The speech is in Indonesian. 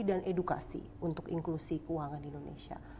dan edukasi untuk inklusi keuangan di indonesia